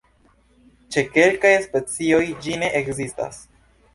Ĉe kelkaj specioj ĝi ne ekzistas.